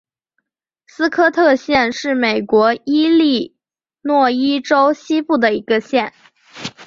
斯科特县是美国伊利诺伊州西部的一个县。